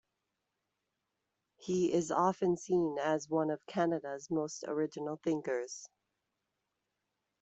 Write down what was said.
He is often seen as one of Canada's most original thinkers.